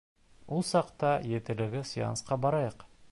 Ул саҡта етеләге сеансҡа барайыҡ.